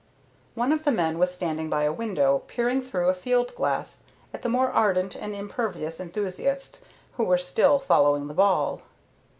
One of the men was standing by a window, peering through a field glass at the more ardent and impervious enthusiasts who were still following the ball.